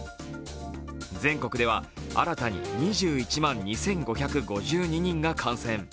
全国では新たに２１万２５５２人が感染。